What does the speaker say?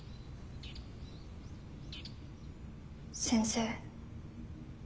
先生。